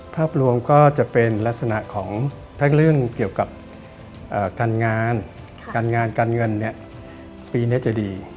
ภาพรวมก็จะเป็นลักษณะของทั้งเรื่องเกี่ยวกับการงานการงานการเงินปีนี้จะดี